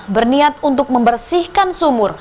berniat untuk membersihkan sumur